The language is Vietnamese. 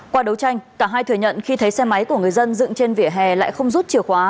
qua đấu tranh cả hai thừa nhận khi thấy xe máy của người dân dựng trên vỉa hè lại không rút chìa khóa